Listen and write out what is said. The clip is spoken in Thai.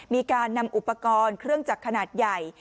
มีการนำอุปกรณ์เครื่องจักรขนาดใหญ่